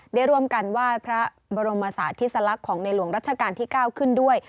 ได้รวมกันว่าพระบรมศาสตร์ที่สลักของในหลวงรัชกาลที่เก้าขึ้นด้วย